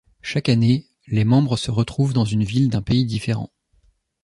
Chaque année, les membres se retrouvent dans une ville d'un pays différent.